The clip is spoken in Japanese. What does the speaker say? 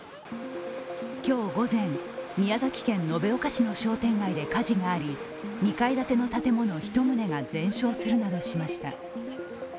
今日午前、宮崎県延岡市の商店街で火事があり２階建ての建物１棟が全焼するなどしました。